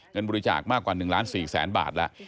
เงินบริจาคมากกว่า๑ล้าน๔แสนบาทแล้ว